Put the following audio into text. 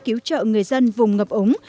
cứu trợ người dân vùng ngập ống